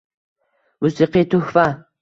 Musiqiy tuhfa